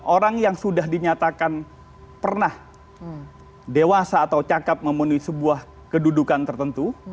orang yang sudah dinyatakan pernah dewasa atau cakep memenuhi sebuah kedudukan tertentu